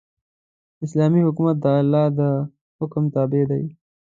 اسلامي حکومت د الله د حکم تابع دی.